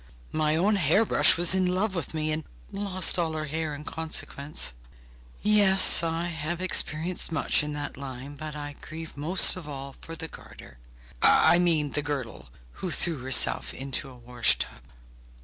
My own hair brush was in love with me, and lost all her hair in consequence. Yes, I have experienced much in that line; but I grieve most of all for the garter, I mean, the girdle, who threw herself into a wash tub.